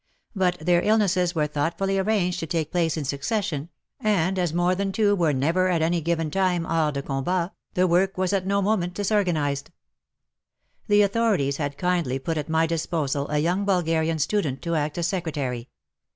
But their illnesses were thoughtfully arranged to take WAR AND WOMEN 129 place in succession, and as more than two were never at any given time hors de combat, the work was at no moment disorganized. The authorities had kindly put at my disposal a young Bulgarian student to act as secretary.